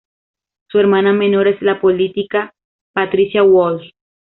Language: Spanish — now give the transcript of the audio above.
Su hermana menor es la política Patricia Walsh.